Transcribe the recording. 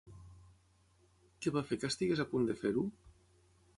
Què va fer que estigués a punt de fer-ho?